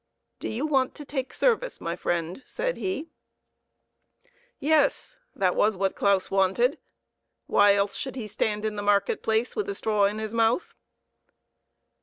" Do you want to take service, my friend ?" said he. Yes, that was what Claus wanted ; why else should he stand in the market place with a straw in his mouth